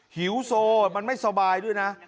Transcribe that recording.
หิวโซมันไม่สบายด้วยนะ